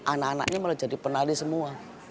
anak anaknya mulai jadi penali semua